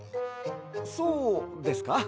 そうですか？